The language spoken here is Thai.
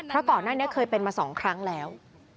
เพราะก่อนหน้านี้เคยเป็นมา๒ครั้งแล้ว